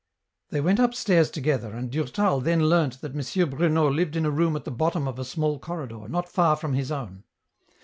They went upstairs together, and Durtal then learnt that M. Bruno lived in a room at the bottom of a small corridor, not far from his own.